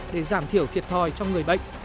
để giảm thiểu thiệt thòi cho người bệnh